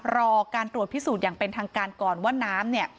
รอการตรวจพิสูจน์อย่างเป็นทางการก่อนว่าน้ำเนี่ย